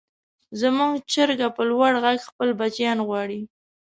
زموږ چرګه په لوړ غږ خپل بچیان غواړي.